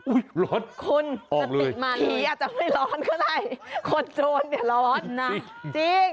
อุ๊ยร้อนออกเลยพี่อาจจะไม่ร้อนก็ได้คนโจรเดี๋ยวร้อนนะจริง